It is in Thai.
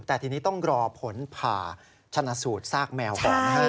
แต่ทีนี้ต้องรอผลผ่าชนะสูตรซากแมวก่อนนะฮะ